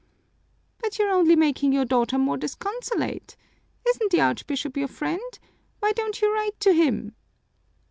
"But you're only making your daughter more disconsolate! Isn't the Archbishop your friend? Why don't you write to him?"